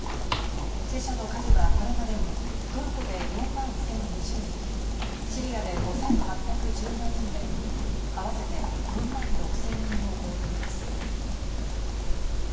死者の数はこれまでにトルコで４万１０２０人シリアで５８１４人で合わせて４万６０００人を超えています。